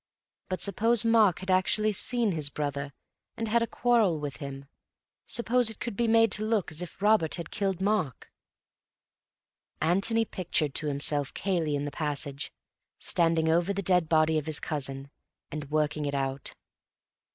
But suppose Mark had actually seen his brother and had a quarrel with him; suppose it could be made to look as if Robert had killed Mark— Antony pictured to himself Cayley in the passage, standing over the dead body of his cousin, and working it out.